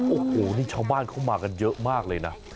โอ้โหนี่ชาวบ้านเขามากันเยอะมากเลยนะ